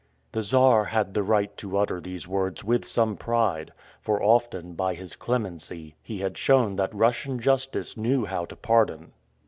The Czar had the right to utter these words with some pride, for often, by his clemency, he had shown that Russian justice knew how to pardon.